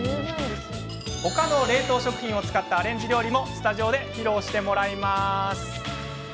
他の冷凍食品を使ったアレンジ料理もスタジオで披露してもらいます。